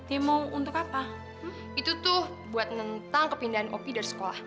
itu tuh buat nentang kepindahan op dari sekolah